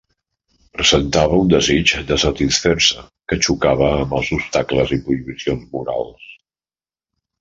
Presentava un desig de satisfer-se que xocava amb els obstacles i prohibicions morals.